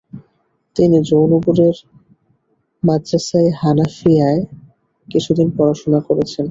তিনি জৌনপুরের মাদ্রাসায়ে হানাফিয়ায় কিছুদিন পড়াশোনা করেছেন।